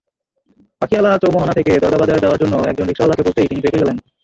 পাখিয়ালা চৌমোহনা থেকে দরগাবাজার যাওয়ার জন্য একজন রিকশাওয়ালাকে বলতেই তিনি বেঁকে গেলেন।